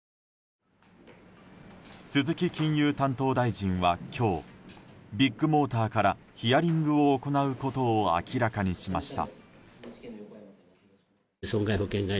鈴木金融担当大臣は今日、ビッグモーターからヒアリングを行うことを明らかにしました。